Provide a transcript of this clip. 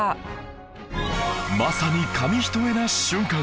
まさに紙一重な瞬間